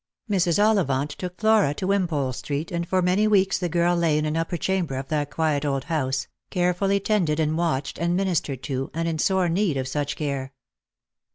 Mks. Olltvant took Flora to Wimpole street, and for many weeks the girl lay in an upper chamber of that quiet old houtee, carefully tended and watched and ministered to, and in sore need of such care.